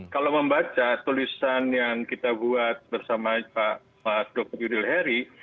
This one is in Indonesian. kalau membaca tulisan yang kita buat bersama pak dr yudil heri